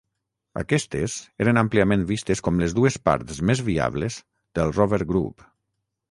Aquestes eren àmpliament vistes com les dues parts més viables del Rover Group.